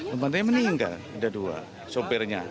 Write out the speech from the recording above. tempatnya meninggal ada dua sopirnya